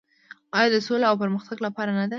آیا د سولې او پرمختګ لپاره نه ده؟